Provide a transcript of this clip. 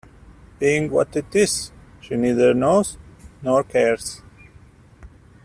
Being what it is, she neither knows nor cares.